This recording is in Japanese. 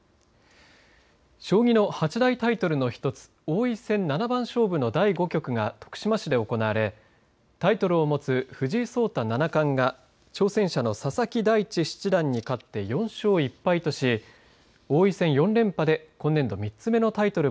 将棋の八大タイトルの１つ王位戦、七番勝負の第５局が徳島市で行われタイトルを持つ藤井聡太七冠が挑戦者の佐々木大地七段に勝って４勝１敗とし王位戦４連覇で今年度３つ目のタイトル